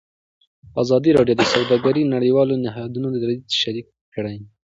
ازادي راډیو د سوداګري د نړیوالو نهادونو دریځ شریک کړی.